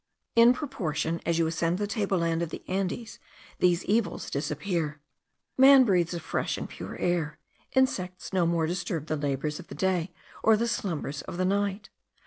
In proportion as you ascend the table land of the Andes these evils disappear. Man breathes a fresh and pure air. Insects no more disturb the labours of the day or the slumbers of the night.